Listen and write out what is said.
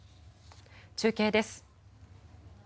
中継です。